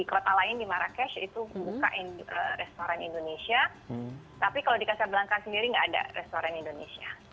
di kota lain di marrakesh itu buka restoran indonesia tapi kalau di casablanca sendiri nggak ada restoran indonesia